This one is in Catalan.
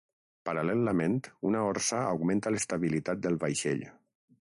Paral·lelament una orsa augmenta l'estabilitat del vaixell.